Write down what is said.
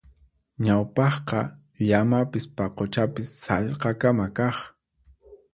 Ñawpaqqa llamapis paquchapis sallqakama kaq.